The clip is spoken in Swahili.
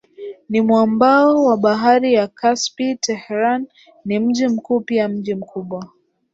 ni mwambao wa Bahari ya Kaspi Tehran ni mji mkuu pia mji mkubwa